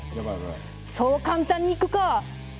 「そう簡単にいくかぁーっ！！」